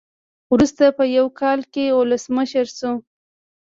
وروسته په یو کال کې ولسمشر شو.